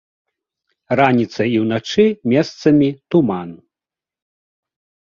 Раніцай і ўначы месцамі туман.